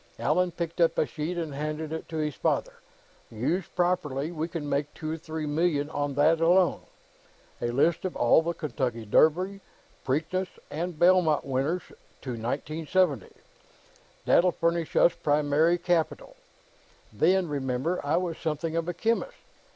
Allan picked up a sheet and handed it to his father. "Used properly, we can make two or three million on that, alone. A list of all the Kentucky Derby, Preakness, and Belmont winners to 1970. That'll furnish us primary capital. Then, remember, I was something of a chemist.